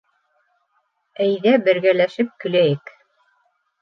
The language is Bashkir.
Әйҙә, бергәләшеп көләйек!